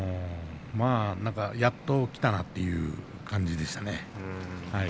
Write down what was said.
やっときたなという感じでしたね。